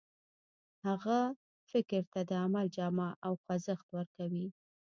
هغه فکر ته د عمل جامه او خوځښت ورکوي.